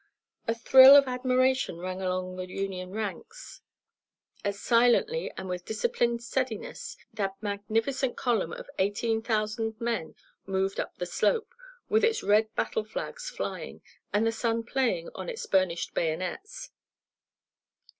A thrill of admiration ran along the Union ranks as silently and with disciplined steadiness, that magnificent column of eighteen thousand men moved up the slope, with its red battle flags flying, and the sun playing on its burnished bayonets.